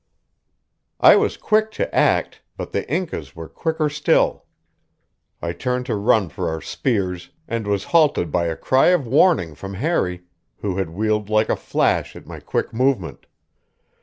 I was quick to act, but the Incas were quicker still. I turned to run for our spears, and was halted by a cry of warning from Harry, who had wheeled like a flash at my quick movement.